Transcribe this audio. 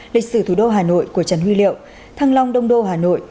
lịch sử thủ đô hà nội của trần huy liệu thăng long đông đô hà nội